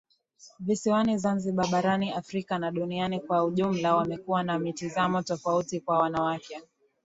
Visiwani Zanzibar Barani Afrika na duniani kwa ujumla wamekuwa na mitazamo tofauti kwa wanawake